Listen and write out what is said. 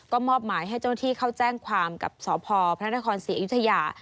ก็มอบหมายให้เจ้าหน้าที่เข้าแจ้งความกับสพพระนครศรีอยุธยา